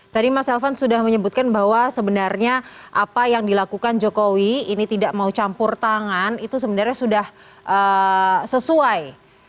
tadi mas elvan sudah menyebutkan bahwa sebenarnya apa yang dilakukan jokowi ini tidak mau campur tangan itu sebenarnya sudah sesuai